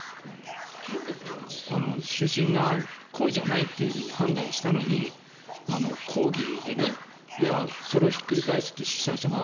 なんで主審が故意じゃないと判断したのに抗議で、それをひっくり返すって主催者側。